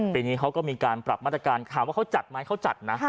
ปีนี้เขาก็มีการปรับมาตรการถามว่าเขาจัดไหมเขาจัดนะ